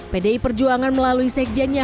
pdi perjuangan melalui sekjennya